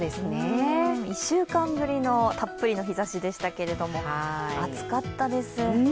１週間ぶりのたっぷりの日ざしでしたけれども、暑かったです。